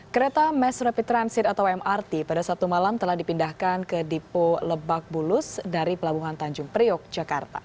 kereta mass rapid transit atau mrt pada satu malam telah dipindahkan ke dipo lebak bulus dari pelabuhan tanjung priok jakarta